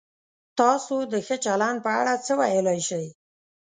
تاسو د ښه چلند په اړه څه ویلای شئ؟